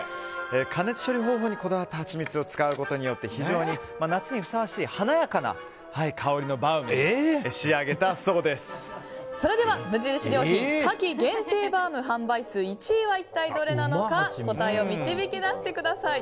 加熱処理方法にこだわったはちみつを使うことで夏にふさわしい華やかな香りのバウムにそれでは、無印良品夏季限定バウム販売数１位は一体どれなのか答えを導き出してください。